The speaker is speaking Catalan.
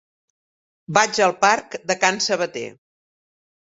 Vaig al parc de Can Sabater.